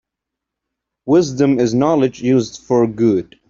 Wisdom is knowledge used for good.